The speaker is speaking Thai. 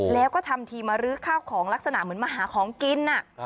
แล้วก็ทำทีมาลื้อข้าวของลักษณะเหมือนมาหาของกิน